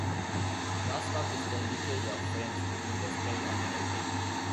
Crosstalk is the leakage of frames between left eye and right eye.